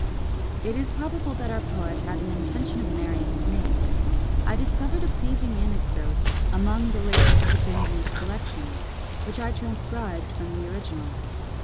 It is probable that our poet had an intention of marrying his maid. I discovered a pleasing anecdote among the late Mr. Bindley's collections, which I transcribed from the original.